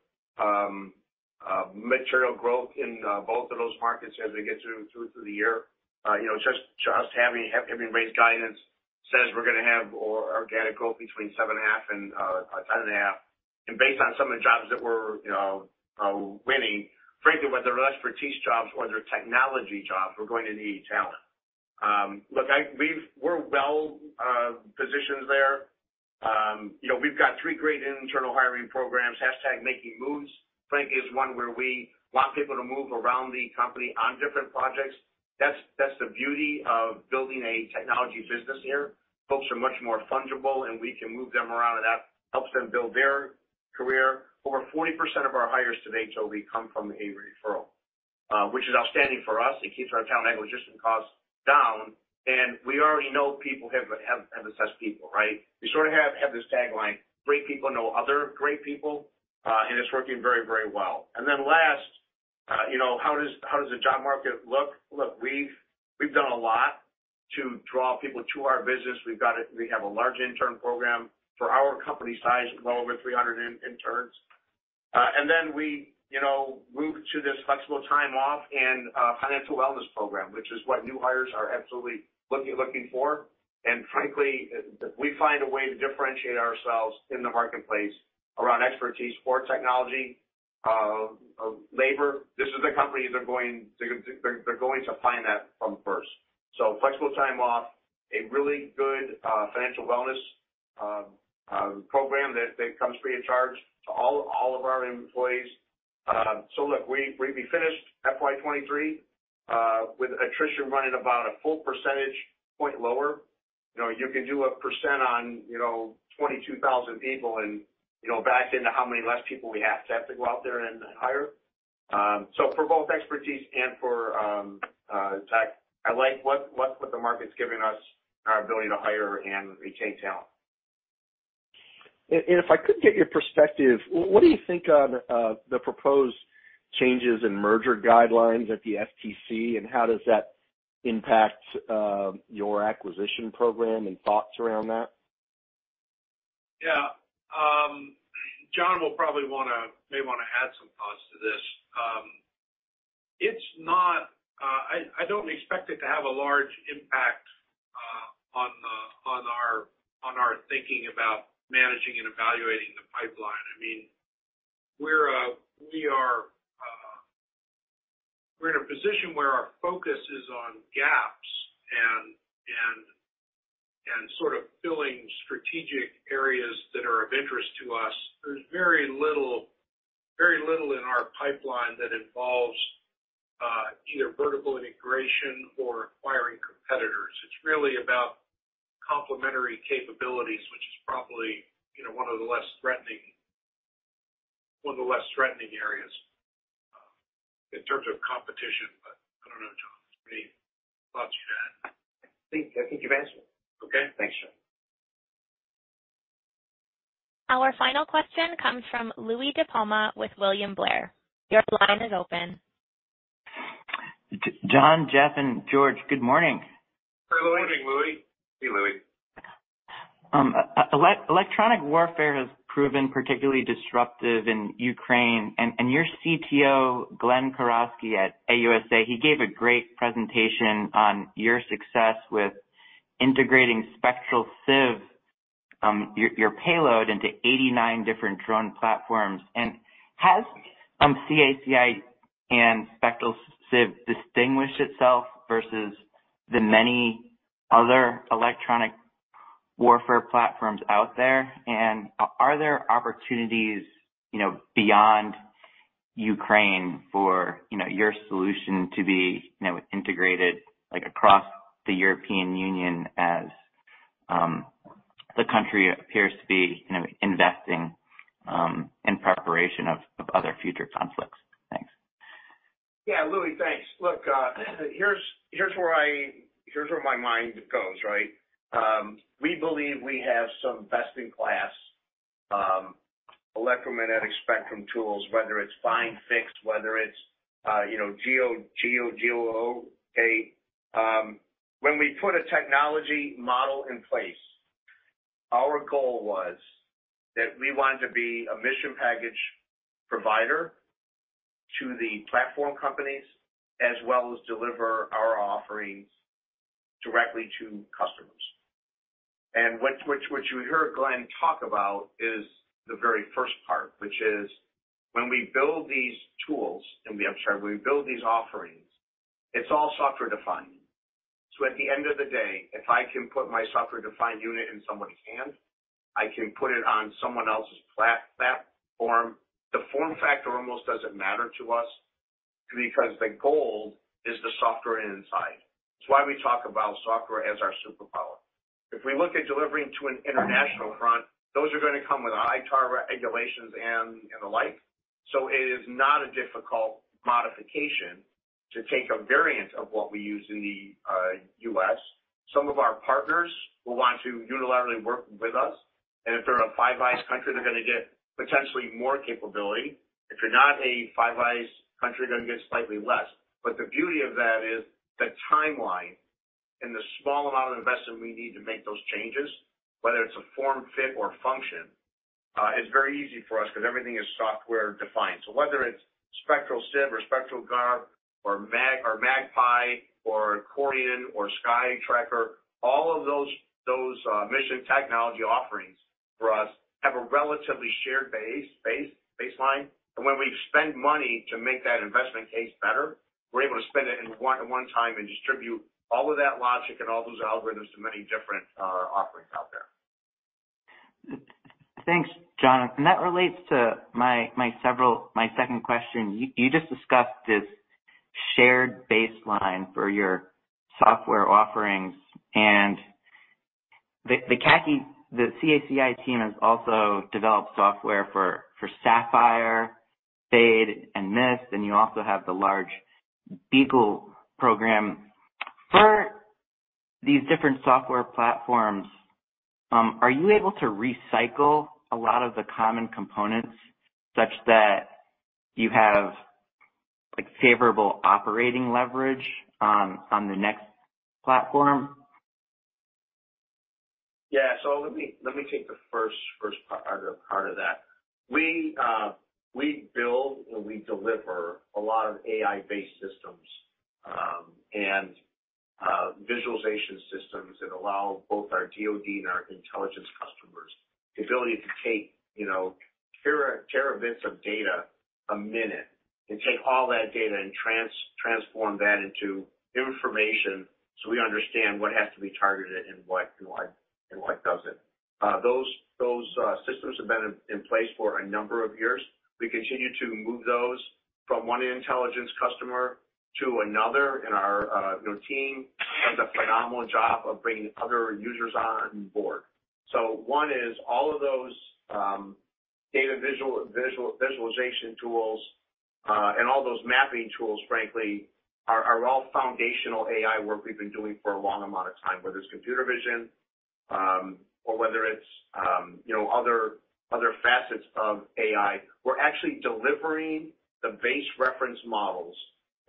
material growth in both of those markets as we get through the year. You know, just having raised guidance says we're gonna have organic growth between 7.5 and 10.5. And based on some of the jobs that we're you know winning, frankly, whether they're expertise jobs or they're technology jobs, we're going to need talent. Look, we're well positioned there. You know, we've got three great internal hiring programs, #Making Moves, frankly, is one where we want people to move around the company on different projects. That's the beauty of building a technology business here. Folks are much more fungible, and we can move them around, and that helps them build their career. Over 40% of our hires today, Toby, come from a referral, which is outstanding for us. It keeps our talent acquisition costs down, and we already know people have assessed people, right? We sort of have this tagline, "Great people know other great people," and it's working very, very well. And then last, you know, how does the job market look? Look, we've done a lot to draw people to our business. We've got a—we have a large intern program. For our company size, well over 300 interns. And then we, you know, moved to this flexible time off and financial wellness program, which is what new hires are absolutely looking for. Frankly, if we find a way to differentiate ourselves in the marketplace around expertise for technology, labor, this is the company they're going to find that from first. So flexible time off, a really good financial wellness program that comes free of charge to all of our employees. So look, we finished FY 2023 with attrition running about a full percentage point lower. You know, you can do 1% on 22,000 people and back into how many less people we have to go out there and hire. So for both expertise and for tech, I like what the market's giving us, our ability to hire and retain talent. If I could get your perspective, what do you think of the proposed changes in merger guidelines at the FTC, and how does that impact your acquisition program, and thoughts around that? Yeah. John will probably wanna, may wanna add some thoughts to this. It's not... I don't expect it to have a large impact on our thinking about managing and evaluating the pipeline. I mean, we're in a position where our focus is on gaps and sort of filling strategic areas that are of interest to us. There's very little, very little in our pipeline that involves either vertical integration or acquiring competitors. It's really about complementary capabilities, which is probably, you know, one of the less threatening, one of the less threatening areas in terms of competition. But I don't know, John, any thoughts you had? I think, I think you've answered. Okay. Thanks, John. Our final question comes from Louie DiPalma with William Blair. Your line is open. John, Jeff, and George, good morning. Good morning, Louie. Hey, Louie. Electronic warfare has proven particularly disruptive in Ukraine, and your CTO, Glenn Kurowski, at AUSA, he gave a great presentation on your success with integrating Spectral SIB, your payload into 89 different drone platforms. And has CACI and Spectral SIB distinguished itself versus the many other electronic warfare platforms out there? And are there opportunities, you know, beyond Ukraine for, you know, your solution to be, you know, integrated, like, across the European Union as the country appears to be, you know, investing in preparation of other future conflicts? Thanks. Yeah, Louie, thanks. Look, here's where my mind goes, right? We believe we have some best-in-class electromagnetic spectrum tools, whether it's fixed, whether it's, you know, geo, GEO. When we put a technology model in place, our goal was that we wanted to be a mission package provider to the platform companies, as well as deliver our offerings directly to customers. And which you heard Glenn talk about is the very first part, which is when we build these tools, and I'm sorry, we build these offerings; it's all software-defined. So at the end of the day, if I can put my software-defined unit in somebody's hand, I can put it on someone else's platform. The form factor almost doesn't matter to us because the goal is the software inside. It's why we talk about software as our superpower. If we look at delivering to an international front, those are going to come with ITAR regulations and the like. So it is not a difficult modification to take a variance of what we use in the, U.S. Some of our partners will want to unilaterally work with us, and if they're a Five Eyes country, they're gonna get potentially more capability. If you're not a Five Eyes country, you're gonna get slightly less. But the beauty of that is the timeline and the small amount of investment we need to make those changes, whether it's a form, fit, or function, is very easy for us because everything is software-defined. So whether it's Spectral SIB or Spectral Guard or Mag, or Magpie or Accordion or SkyTracker, all of those mission technology offerings for us have a relatively shared baseline. And when we spend money to make that investment case better, we're able to spend it in one, at one time and distribute all of that logic and all those algorithms to many different offerings out there. Thanks, John. That relates to my second question. You just discussed this shared baseline for your software offerings and the CACI team has also developed software for Sapphire, Fade, and Mist, and you also have the large BEAGLE program. For these different software platforms, are you able to recycle a lot of the common components such that you have, like, favorable operating leverage on the next platform? Yeah. So let me take the first part of that. We build and we deliver a lot of AI-based systems, and visualization systems that allow both our DoD and our intelligence customers the ability to take, you know, terabits of data a minute and take all that data and transform that into information so we understand what has to be targeted and what doesn't. Those systems have been in place for a number of years. We continue to move those from one intelligence customer to another, and our, you know, team does a phenomenal job of bringing other users on board. So one is all of those data visualization tools and all those mapping tools, frankly, are all foundational AI work we've been doing for a long amount of time, whether it's computer vision or whether it's, you know, other facets of AI. We're actually delivering the base reference models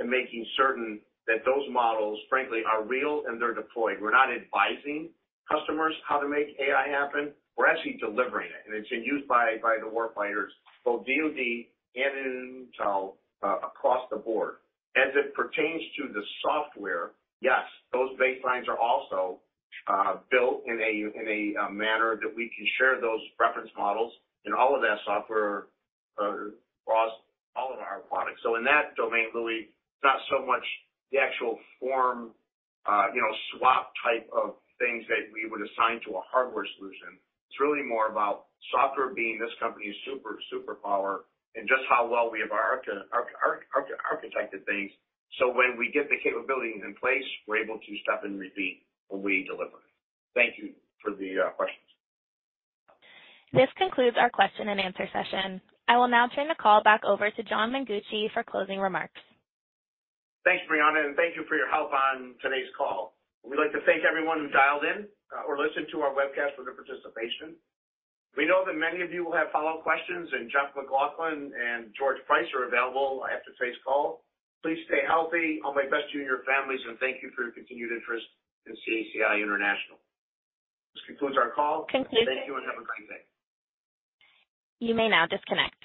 and making certain that those models, frankly, are real and they're deployed. We're not advising customers how to make AI happen, we're actually delivering it, and it's being used by the warfighters, both DoD and intel, across the board. As it pertains to the software, yes, those baselines are also built in a manner that we can share those reference models and all of that software across all of our products. So in that domain, really, not so much the actual form, you know, swap type of things that we would assign to a hardware solution. It's really more about software being this company's superpower, and just how well we have architected things. So when we get the capabilities in place, we're able to stop and repeat, and we deliver. Thank you for the questions. This concludes our question and answer session. I will now turn the call back over to John Mengucci for closing remarks. Thanks, Brianna, and thank you for your help on today's call. We'd like to thank everyone who dialed in, or listened to our webcast for their participation. We know that many of you will have follow-up questions, and Jeff MacLauchlan and George Price are available after today's call. Please stay healthy. All my best to you and your families, and thank you for your continued interest in CACI International. This concludes our call. Concluded. Thank you and have a great day. You may now disconnect.